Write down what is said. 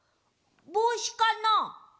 ぼうしかな？